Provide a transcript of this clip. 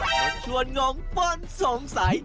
ชักชวนงงป้นสงสัย